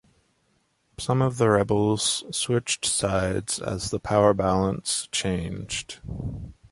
Some of the rebels switched sides as the power balance changed.